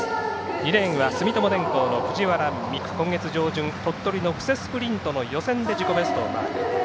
２レーンの藤原未来は今月上旬鳥取の布勢スプリントの予選で自己ベストをマーク。